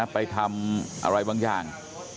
ไปทำอะไรบางอย่าง